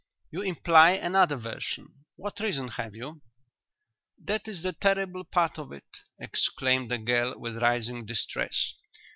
You imply another version. What reason have you?" "That is the terrible part of it," exclaimed the girl, with rising distress.